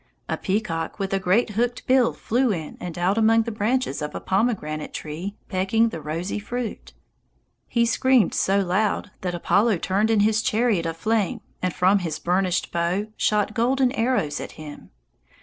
A peacock with a great hooked bill flew in and out among the branches of a pomegranate tree pecking the rosy fruit. He screamed so loud that Apollo turned in his chariot of flame and from his burnished bow shot golden arrows at him.